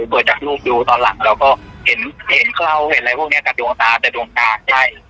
เปิดจากรูปดูตอนหลังเราก็เห็นเห็นเข้าเห็นอะไรพวกนี้กับดวงตาแต่ดวงตาใช่